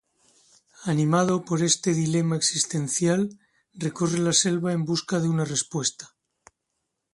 Animado por este dilema existencial, recorre la selva en busca de una respuesta.